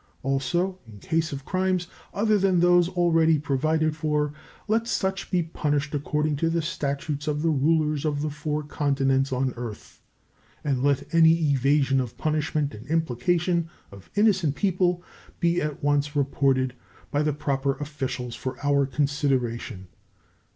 Also, in case of crimes other than those already provided for, let such be punished according to the statutes of the Rulers of the Four Continents on earth, and let any evasion of punishment and implication of innocent people be at once reported by the proper officials for our consideration.